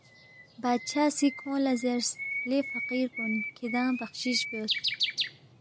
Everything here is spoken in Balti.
بادشاہ سی کھونگ لہ زیرس، لے فقیر کُن کِھدانگ بخشِس بیوس